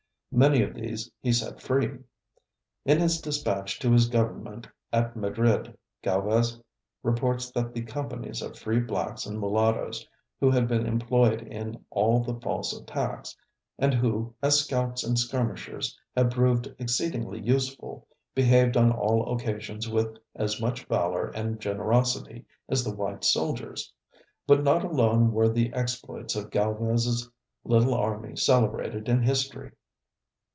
Many of these he set free. In his dispatch to his government at Madrid, Galvez reports that the companies of free blacks and mulattoes, who had been employed in all the false attacks, and who, as scouts and skirmishers, had proved exceedingly useful, behaved on all occasions with as much valor and generosity as the white soldiers. But not alone were the exploits of Galvez's little army celebrated in history.